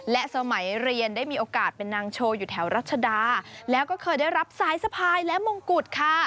และสมัยเรียนได้มีโอกาสเป็นนางโชว์อยู่แถวรัชดาแล้วก็เคยได้รับสายสะพายและมงกุฎค่ะ